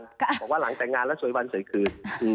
บอกว่าหลังแต่งงานแล้วสวยวันสวยคืน